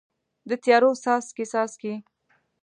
د تیارو څاڅکي، څاڅي